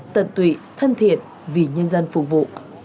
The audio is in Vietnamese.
tận tụy thân thiện vì nhân dân phục vụ